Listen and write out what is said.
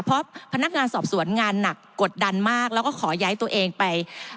เพราะพนักงานสอบสวนงานหนักกดดันมากแล้วก็ขอย้ายตัวเองไป